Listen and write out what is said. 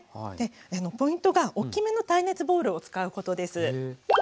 でポイントが大きめの耐熱ボウルを使うことです。